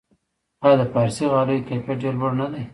آیا د فارسي غالیو کیفیت ډیر لوړ نه دی؟